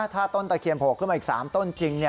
ถ้าต้นตะเคียนโผล่ขึ้นมาอีก๓ต้นจริง